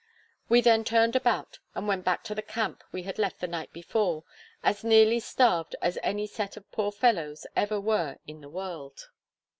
We then turned about, and went back to the camp we had left the night before, as nearly starved as any set of poor fellows ever were in the world.